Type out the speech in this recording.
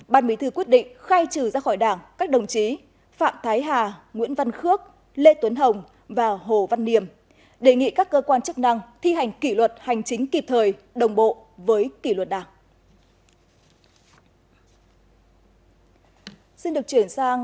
ban bí thư quyết định khai trừ ra khỏi đảng các đồng chí phạm thái hà nguyễn văn khước lê tuấn hồng và hồ văn niềm đề nghị các cơ quan chức năng thi hành kỷ luật hành chính kịp thời đồng bộ với kỷ luật đảng